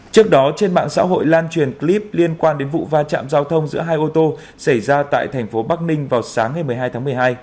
trước đó trên mạng xã hội lan truyền clip liên quan đến vụ va chạm giao thông giữa hai ô tô xảy ra tại thành phố bắc ninh vào sáng ngày một mươi hai tháng một mươi hai